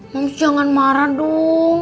moms jangan marah dong